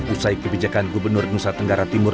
usai kebijakan gubernur nusa tenggara timur